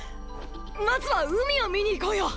まずは海を見に行こうよ！！